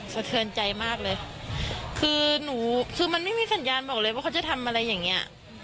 สะเทือนใจมากเลยคือหนูคือมันไม่มีสัญญาณบอกเลยว่าเขาจะทำอะไรอย่างเงี้ย